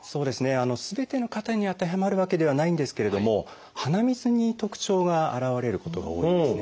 すべての方に当てはまるわけではないんですけれども鼻水に特徴が現れることが多いですね。